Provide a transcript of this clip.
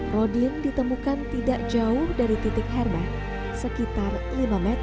rodin ditemukan tidak jauh dari titik herman sekitar lima meter